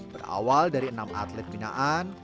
berawal dari enam atlet binaan